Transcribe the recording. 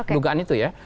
dugaan itu ya